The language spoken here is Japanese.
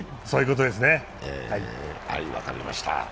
そういうことですね。